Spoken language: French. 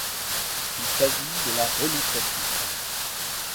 Il s'agit de la renonciation.